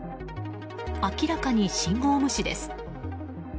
明らかに信号無視です。